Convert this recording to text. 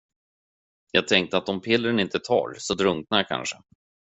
Jag tänkte att om pillren inte tar, så drunknar jag kanske.